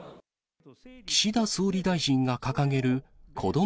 岸田総理大臣が掲げる子ども